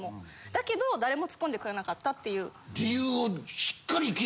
だけど誰も突っ込んでくれなかったっていう。